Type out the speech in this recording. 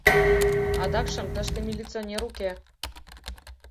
Адакшым тыште милиционер уке.